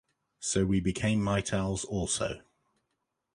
So we became Maytals also.